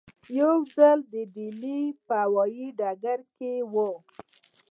یو ځل د ډیلي په هوایي ډګر کې وو.